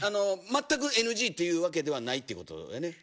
まったくＮＧというわけではないということだね。